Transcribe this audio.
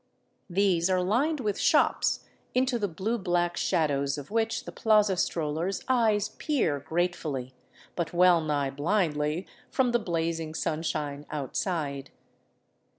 These are lined with shops into the blue black shadows of which the plaza stroller's eyes peer gratefully, but wellnigh blindly, from the blazing sunshine outside.